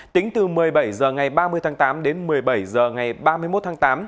tính từ một mươi bảy h ngày ba mươi tháng tám đến một mươi bảy h ngày ba mươi một tháng tám